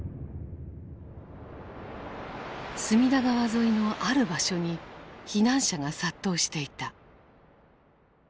隅田川沿いのある場所に避難者が殺到していた。